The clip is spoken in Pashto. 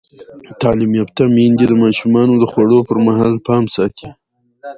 تعلیم یافته میندې د ماشومانو د خوړو پر مهال پام ساتي.